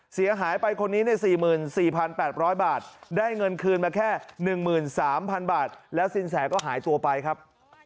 เสียหายไปคนนี้ใน๔๔๘๐๐บาทได้เงินคืนมาแค่๑๓๐๐๐บาทแล้วสินแสก็หายตัวไปครับ